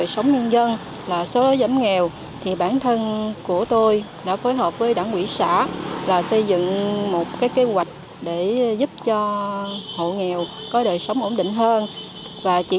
sau khi triển khai